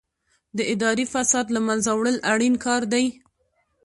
د اداري فساد له منځه وړل اړین کار دی.